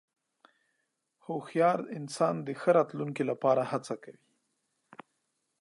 هوښیار انسان د ښه راتلونکې لپاره هڅه کوي.